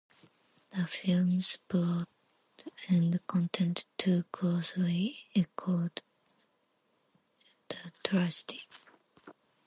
The film's plot and content too closely echoed the tragedy.